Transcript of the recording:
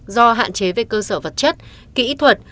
do hạn chế về cơ sở vật chất kỹ thuật